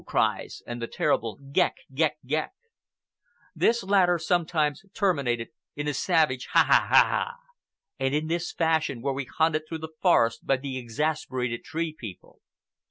cries and the terrible "Goëk! Goëk! Goëk!" This latter sometimes terminated in a savage "Ha ha ha ha haaaaa!!!" And in this fashion were we hunted through the forest by the exasperated Tree People.